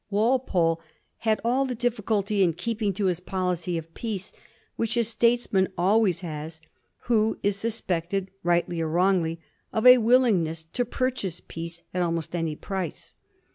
Walpole had all the difficulty in keeping to his policy of peace which a statesman always has who is suspected, rightly or wrongly, of a willingness to pur chase peace at almost any price.